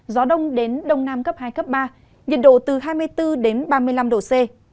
gió đông đến đông nam cấp hai cấp ba nhiệt độ từ hai mươi bốn đến ba mươi năm độ c